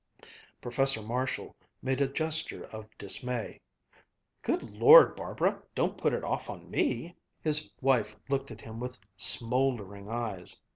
Professor Marshall made a gesture of dismay. "Good Lord, Barbara, don't put it off on me!" His wife looked at him with smoldering eyes.